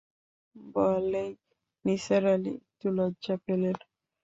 বলেই নিসার আলি একটু লজ্জা পেলেন।